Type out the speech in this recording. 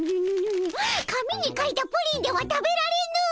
紙に書いたプリンでは食べられぬ！